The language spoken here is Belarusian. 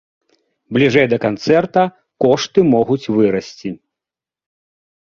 Бліжэй да канцэрта кошты могуць вырасці.